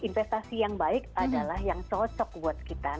investasi yang baik adalah yang cocok buat kita